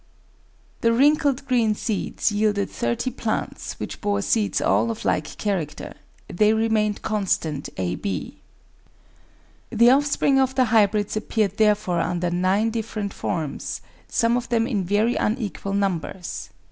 The wrinkled green seeds yielded 30 plants which bore seeds all of like character; they remained constant ab. The offspring of the hybrids appeared therefore under nine different forms, some of them in very unequal numbers.